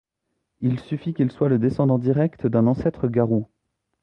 Il suffit qu'il soit le descendant direct d'un ancêtre garou.